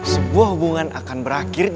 sebuah hubungan akan berakhir